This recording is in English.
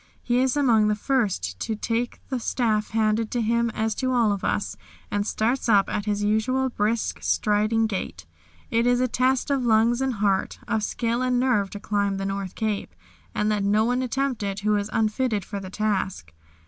He is among the first to take the staff, handed to him as to all of us, and starts up at his usual brisk, striding gait. It is a test of lungs and heart, of skill and nerve to climb the North Cape, and let no one attempt it who is unfitted for the task.